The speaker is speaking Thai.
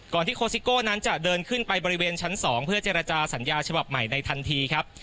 ที่โคซิโก้นั้นจะเดินขึ้นไปบริเวณชั้น๒เพื่อเจรจาสัญญาฉบับใหม่ในทันทีครับ